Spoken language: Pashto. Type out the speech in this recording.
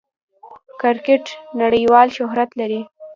کرکټ نړۍوال شهرت لري.